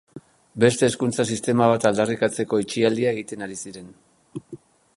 Beste hezkuntza sistema bat aldarrikatzeko itxialdia egiten ari ziren.